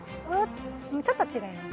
ちょっと違います。